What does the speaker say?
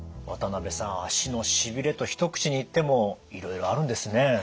渡辺さん足のしびれと一口に言ってもいろいろあるんですね。